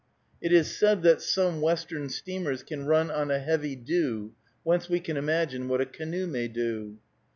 It is said that some Western steamers can run on a heavy dew, whence we can imagine what a canoe may do.